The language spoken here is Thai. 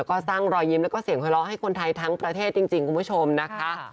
ก็สร้างรอยยิ้มแล้วก็เสียงหัวเราะให้คนไทยทั้งประเทศจริงคุณผู้ชมนะคะ